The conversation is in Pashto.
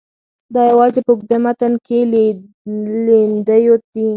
دا یوازې په اوږده متن کې لیندیو دي.